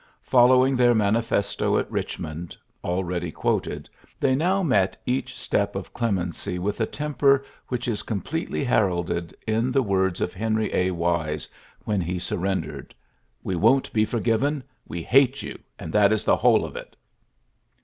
Following t manifesto at Eichmond, already quo they now met each step of clemency ^ a temper which is completely heral in the words of Henry A. Wise whei surrendered: "We won't be forgii We hate you, and that is the whole it!''